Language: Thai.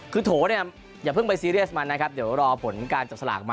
คือโถเนี่ยอย่าเพิ่งไปซีเรียสมันนะครับเดี๋ยวรอผลการจับสลากออกมา